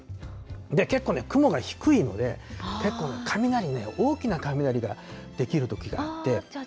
で、結構くもがひくいので結構、雷、大きな雷が出来るときがあって。